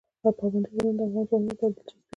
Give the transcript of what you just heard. پابندی غرونه د افغان ځوانانو لپاره دلچسپي لري.